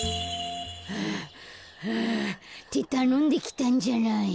はあはあってたのんできたんじゃない。